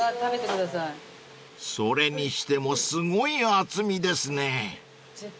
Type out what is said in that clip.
［それにしてもすごい厚みですね］